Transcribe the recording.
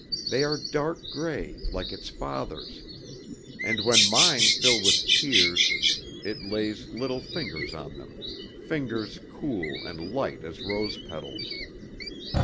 They are dark gray, like its father's. And when mine fill with tears, it lays little fingers on them, fingers cool and light as rose petals.